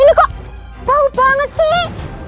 ini kok bau banget sih